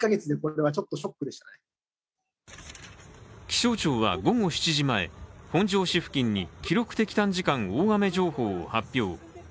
気象庁は午後７時前、本庄市付近に記録的短時間大雨情報を発表。